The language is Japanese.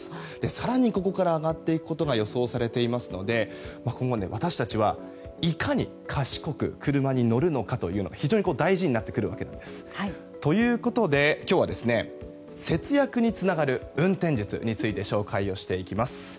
更にここから上がっていくことが予想されていますので今後、私たちは、いかに賢く車に乗るのかというのが非常に大事になってくるわけです。ということで、今日は節約につながる運転術について紹介していきます。